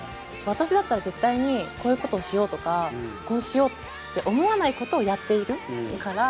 私だったら絶対にこういうことをしようとかこうしようって思わないことをやっているから。